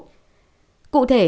f một cụ thể